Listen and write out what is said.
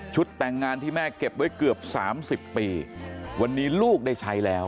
แต่งงานที่แม่เก็บไว้เกือบสามสิบปีวันนี้ลูกได้ใช้แล้ว